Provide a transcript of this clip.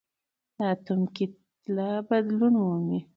د اتوم کتله بدلون مومي.